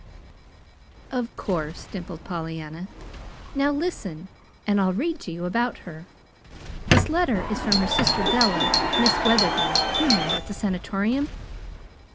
"Of course," dimpled Pollyanna. "Now listen, and I'll read to you about her. This letter is from her sister, Della Miss Wetherby, you know, at the Sanatorium."